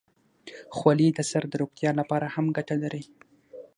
خولۍ د سر د روغتیا لپاره هم ګټه لري.